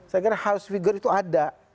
saya kira house figure itu ada